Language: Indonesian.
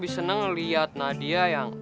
itu tadi ya